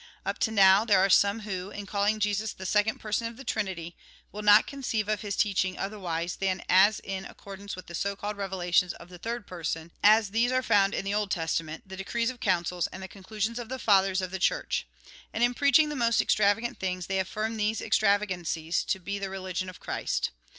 Up to now, there are some who, in calling Jesus the second Person of the Trinity, will not conceive of his teaching otherwise than as in accordance with the so called revelations of the third Person, as these are found in the Old Testament, the decrees of Councils, and the conclusions of the Fathers of the Church ; and in preaching the most extravagant things, they affirm these extravagancies to be the religion of Christ.